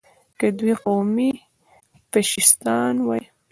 که دوی قومي فشیستان وای.